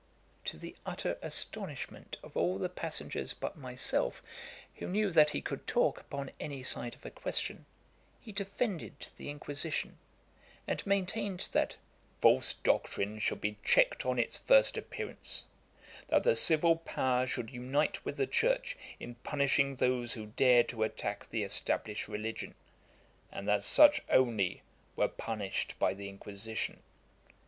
To the utter astonishment of all the passengers but myself, who knew that he could talk upon any side of a question, he defended the Inquisition, and maintained, that 'false doctrine should be checked on its first appearance; that the civil power should unite with the church in punishing those who dared to attack the established religion, and that such only were punished by the Inquisition.'